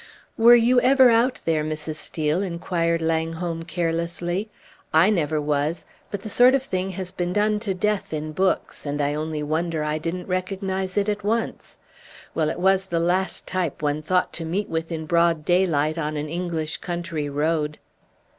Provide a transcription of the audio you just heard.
"Were you ever out there, Mrs. Steel?" inquired Langholm, carelessly. "I never was, but the sort of thing has been done to death in books, and I only wonder I didn't recognize it at once. Well, it was the last type one thought to meet with in broad daylight on an English country road!"